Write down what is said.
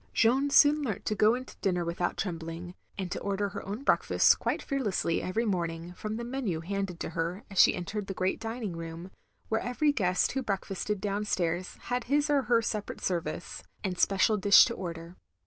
Jeanne soon learnt OF GROSVENOR SQUARE 289 to go in to dinner without trembling; and to order her own breakfast qtiite fearlessly every morning, from the menu handed to her as she entered the great dining room, where every guest who breakfasted downstairs had his or her separate service, and special dish to order.